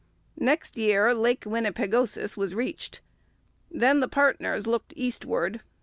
Next year Lake Winnipegosis was reached. Then the partners looked eastward.